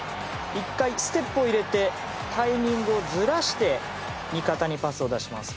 １回ステップを入れてタイミングをずらして味方にパスを出します。